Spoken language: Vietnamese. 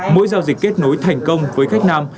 mỗi giao dịch kết nối thành công với khách nam